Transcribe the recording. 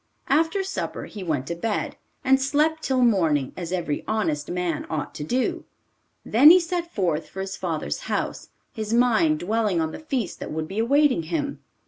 After supper he went to bed and slept till morning, as every honest man ought to do. Then he set forth for his father's house, his mind dwelling on the feast that would be awaiting him.